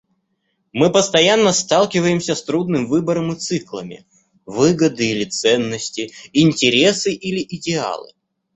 Мы постоянно сталкиваемся с трудным выбором и циклами: выгоды или ценности, интересы или идеалы.